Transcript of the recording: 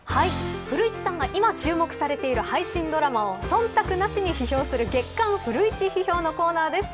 古市さんが今注目されている配信ドラマを忖度なしに批評する月刊フルイチ批評のコーナーです。